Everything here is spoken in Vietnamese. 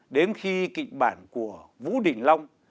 đến khi kịch bản của vũ đình long